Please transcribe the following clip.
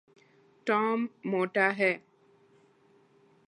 Tom موٹا ہے